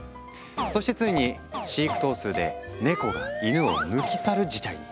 そしてついに飼育頭数でネコがイヌを抜き去る事態に。